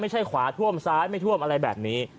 ขวาท่วมซ้ายไม่ท่วมอะไรแบบนี้